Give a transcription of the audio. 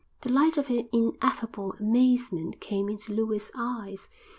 The light of an ineffable amazement came into Lewis's eyes.